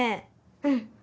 うん。